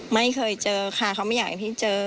ไม่เคยเจอค่ะเขาไม่อยากให้พี่เจอ